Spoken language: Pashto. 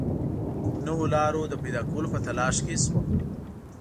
نویو لارو د پیدا کولو په تلاښ کې شوم.